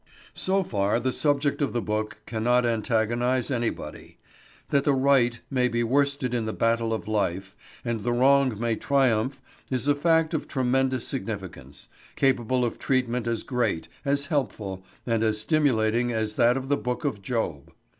So far the subject of the book cannot antagonise anybody. That the right may be worsted in the battle of life and the wrong may triumph is a fact of tremendous significance, capable of treatment as great, as helpful, and as stimulating as that of the Book of Job.